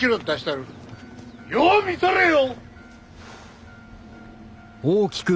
よう見とれよ！